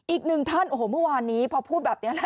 อีกหนึ่งท่านโอ้โหเมื่อวานนี้พอพูดแบบนี้แหละ